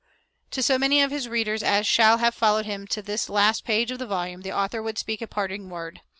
To so many of his readers as shall have followed him to this last page of the volume, the author would speak a parting word.